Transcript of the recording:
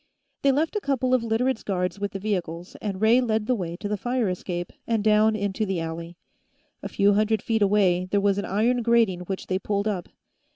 They left a couple of Literates' guards with the vehicles, and Ray led the way to the fire escape, and down into the alley. A few hundred feet away, there was an iron grating which they pulled up.